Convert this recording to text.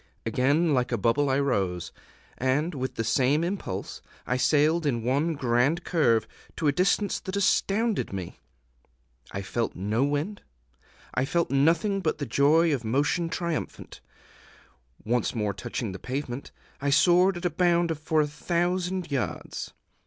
Again like a bubble I rose, and, with the same impulse, I sailed in one grand curve to a distance that astounded me. I felt no wind; I felt nothing but the joy of motion triumphant. Once more touching pavement, I soared at a bound for a thousand yards.